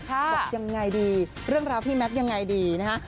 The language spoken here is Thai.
บอกยังไงดีเรื่องราวพี่แม็กซ์ยังไงดีนะฮะ